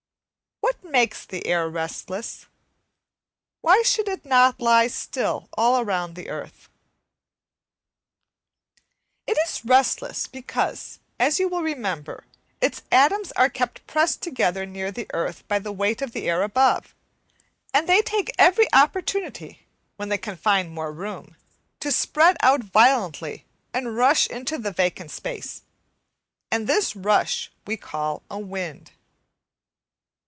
What makes the air restless? why should it not lie still all round the earth? It is restless because, as you will remember, its atoms are kept pressed together near the earth by the weight of the air above, and they take every opportunity, when they can find more room, to spread out violently and rush into the vacant space, and this rush we call a wind.